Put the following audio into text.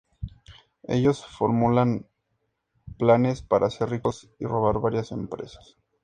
Ellos formulan planes para ser ricos y robar varias empresas.